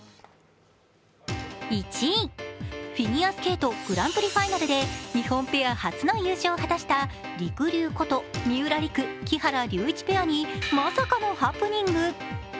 フィギュアスケート、グランプリファイナルで日本ペア初の優勝を果たしたりくりゅうこと三浦璃来・木原龍一ペアにまさかのハプニング。